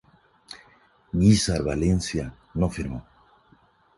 Guízar Valencia no firmó.